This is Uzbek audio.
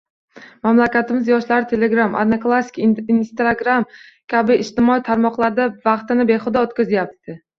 Mamlakatimiz yoshlari “Telegram”, “Odnoklassniki”, “Instagram” kabi ijtimoiy tarmoqlarda vaqtini behuda o’tkazayapti.